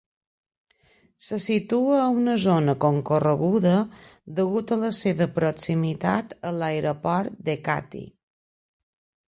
Se situa a una zona concorreguda degut a la seva proximitat a l'aeroport d'Ekati.